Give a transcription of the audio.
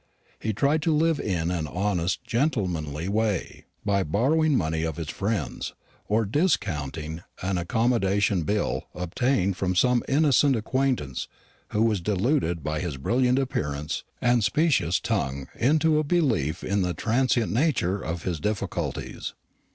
He tried to live in an honest gentlemanly way, by borrowing money of his friends, or discounting an accommodation bill obtained from some innocent acquaintance who was deluded by his brilliant appearance and specious tongue into a belief in the transient nature of his difficulties.